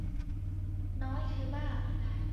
น้อยคือมาก